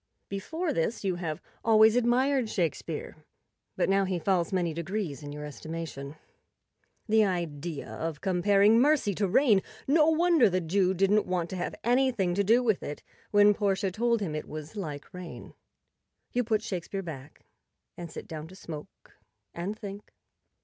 Before this you have always admired Shakespeare, but now he falls many degrees in your estimation. The idea of comparing mercy to rain! No wonder the Jew didn't want to have anything to do with it when Portia told him it was like rain. You put Shakespeare back, and sit down to smoke and think.